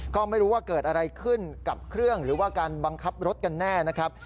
ก็ไม่รู้ว่าเกิดอะไรขึ้นกับเครื่องหรือว่าการบังคับรถกันแน่นะครับ